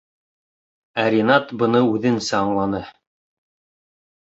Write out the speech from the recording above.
Ә Ринат быны үҙенсә аңланы: